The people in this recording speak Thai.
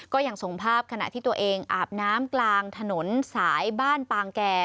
ก็ยังส่งภาพขณะที่ตัวเองอาบน้ำกลางถนนสายบ้านปางแก่